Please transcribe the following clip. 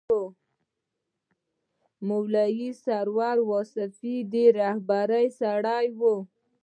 مولوي سرور واصف د رهبرۍ سړی و.